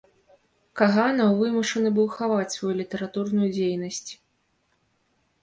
Каганаў вымушаны быў хаваць сваю літаратурную дзейнасць.